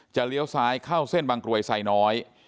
เลี้ยวซ้ายเข้าเส้นบางกรวยไซน้อย